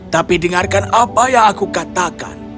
tapi dengarkan apa yang aku katakan